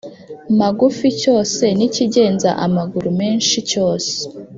Magufi cyose n ikigenza amaguru menshi cyose